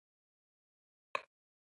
دا د دولت د کړنو بشپړ نفوذ ګڼل کیږي.